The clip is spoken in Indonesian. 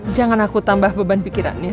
jangan aku tambah beban pikirannya